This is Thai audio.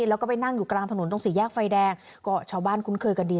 แล้วก็ไปนั่งอยู่กลางถนนตรงสี่แยกไฟแดงก็ชาวบ้านคุ้นเคยกันดี